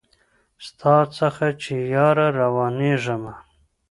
ستا څخه چي ياره روانـېــږمه